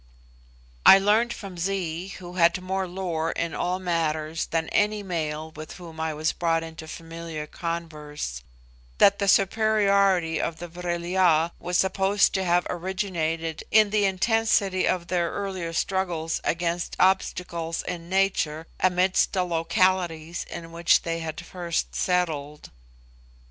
I learned from Zee, who had more lore in all matters than any male with whom I was brought into familiar converse, that the superiority of the Vril ya was supposed to have originated in the intensity of their earlier struggles against obstacles in nature amidst the localities in which they had first settled.